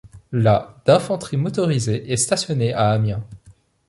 La dinfanterie motorisée est stationnée à Amiens.